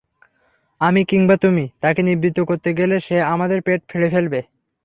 আমি কিংবা তুমি তাকে নিবৃত্ত করতে গেলে সে আমাদের পেট ফেঁড়ে ফেলবে।